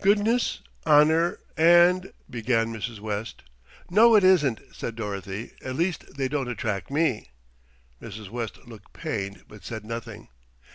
"Goodness, honour and " began Mrs. West. "No, it isn't," said Dorothy, "at least they don't attract me." Mrs. West looked pained but said nothing.